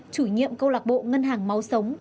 chủ nhiệm câu lạc bộ ngân hàng máu sống